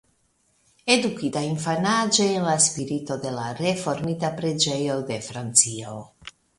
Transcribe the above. Edukita infanaĝe en la spirito de la Reformita Preĝejo de Francio.